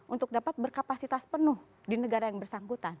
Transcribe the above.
untuk dapat berkapasitas penuh di negara yang bersangkutan